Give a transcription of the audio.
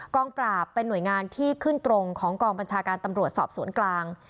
งปราบเป็นหน่วยงานที่ขึ้นตรงของกองบัญชาการตำรวจสอบสวนกลาง